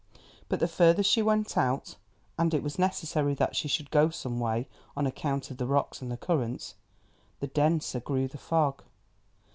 But the further she went out, and it was necessary that she should go some way on account of the rocks and the currents, the denser grew the fog.